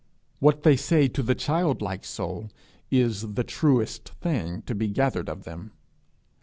What they say to the childlike soul is the truest thing to be gathered of them.